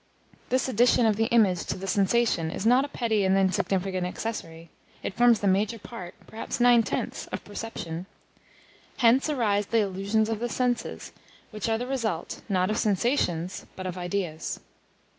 This addition of the image to the sensation is not a petty and insignificant accessory; it forms the major part, perhaps nine tenths, of perception. Hence arise the illusions of the senses, which are the result, not of sensations but of ideas.